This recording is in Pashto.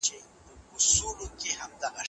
د چا ورور غوښتل چي سړی ووژني؟